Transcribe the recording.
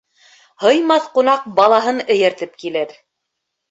Һыймаҫ ҡунаҡ балаһын эйәртеп килер.